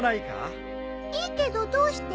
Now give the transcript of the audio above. いいけどどうして？